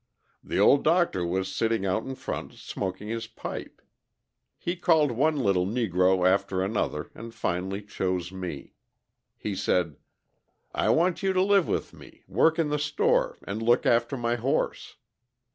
The old doctor was sitting out in front smoking his pipe. He called one little Negro after another, and finally chose me. He said: "'I want you to live with me, work in the store, and look after my horse.'